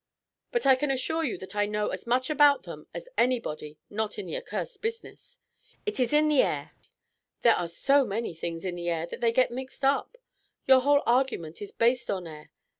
But I can assure you that I know as much about them as anybody not in the accursed business. It is in the air " "There are so many things in the air that they get mixed up. Your whole argument is based on air.